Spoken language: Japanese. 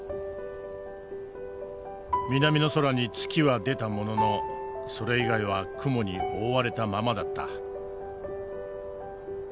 南の空に月は出たもののそれ以外は雲に覆われたままだった。